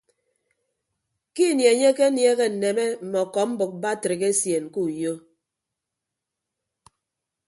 Ke ini enye akenieehe nneme mme ọkọmbʌk batrik esien ke uyo.